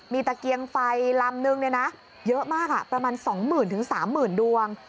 มีตะเกียงไฟลำนึงเยอะมากประมาณ๒๐๐๐๓๐๐๐ดวง